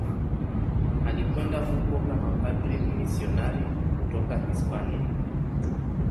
Alikwenda huko kama padri mmisionari kutoka Hispania.